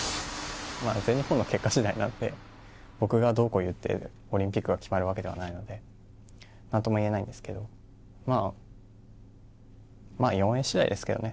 全日本の結果次第なので僕がどうこう言ってオリンピックが決まるわけではないので何とも言えないんですけどまあ、４Ａ次第ですけどね。